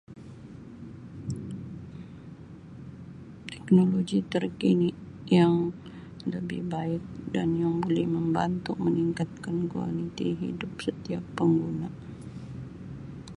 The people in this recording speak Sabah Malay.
Teknologi terkini yang lebih baik dan yang boleh membantu meningkatkan kualiti hidup setiap pengguna.